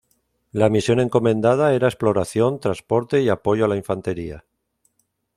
La misión encomendada era exploración, transporte y apoyo a la infantería.